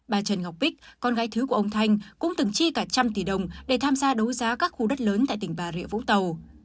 bà trần ngọc bích con gái thứ của ông thanh cũng từng chi cả một trăm linh tỷ đồng để tham gia đấu giá các khu đất lớn tại tỉnh bà rịa vũng tàu